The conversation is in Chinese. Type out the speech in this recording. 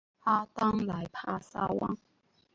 阿当莱帕萨旺。